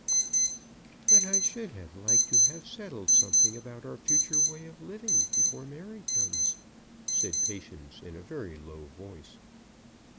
"But I should have liked to have settled something about our future way of living before Mary comes," said Patience in a very low voice.